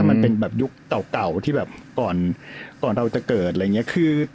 มันเป็นแบบยุคเก่าที่แบบก่อนเราจะเกิดอะไรอย่างนี้